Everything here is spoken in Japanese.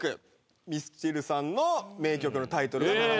ミスチルさんの名曲のタイトルを並べた。